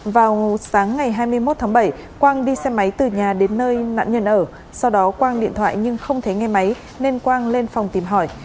vào sáng ngày hai mươi một tháng bảy quang đi xe máy từ nhà đến nơi nạn nhân ở sau đó quang điện thoại nhưng không thấy nghe máy nên quang lên phòng tìm hỏi